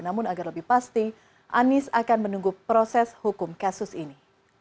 namun agar lebih pasti anies akan menunggu proses hukum kasus ini